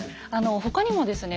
他にもですね